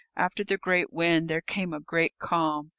After the great wind there came a great calm.